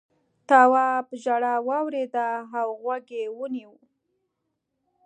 تواب ژړا واورېده او غوږ یې ونيو.